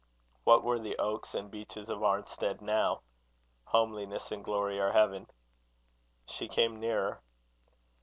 What were the oaks and beeches of Arnstead now? Homeliness and glory are Heaven. She came nearer.